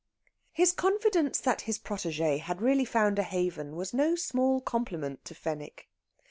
His confidence that his protégée had really found a haven was no small compliment to Fenwick.